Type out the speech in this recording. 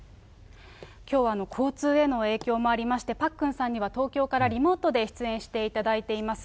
きょうは交通への影響もありまして、パックンさんには、東京からリモートで出演していただいています。